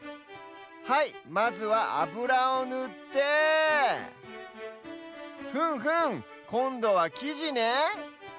はいまずはあぶらをぬってふむふむこんどはきじね。